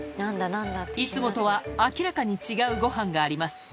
いつもとは明らかに違うごはんがあります